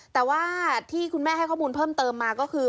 แต่ว่าที่คุณแม่ให้ข้อมูลเพิ่มเติมมาก็คือ